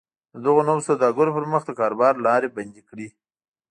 د دغو نویو سوداګرو پر مخ د کاروبار لارې بندې کړي